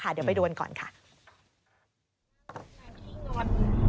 เดี๋ยวไปดูกันก่อนค่ะ